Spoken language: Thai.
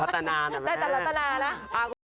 ได้จัดรัตนานะ